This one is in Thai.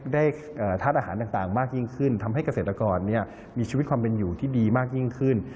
ได้ทัศน์อาหารต่างมากยิ่งขึ้น